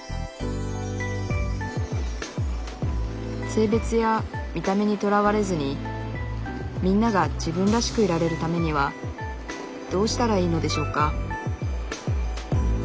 性別や見た目にとらわれずにみんなが自分らしくいられるためにはどうしたらいいのでしょうか？